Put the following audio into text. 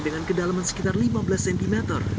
dengan kedalaman sekitar lima belas cm